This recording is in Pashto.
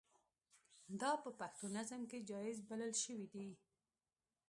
دا په پښتو نظم کې جائز بلل شوي دي.